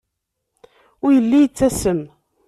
Ur yelli yettasem.